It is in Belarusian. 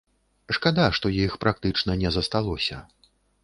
Шкада, што іх практычна не засталося.